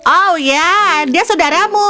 oh ya dia saudaramu